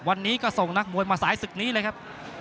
วันนี้ก็ส่งนักมวยมาสายศึกนี้เลยครับ